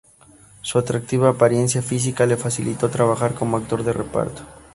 Su atractiva apariencia física le facilitó trabajar como actor de reparto.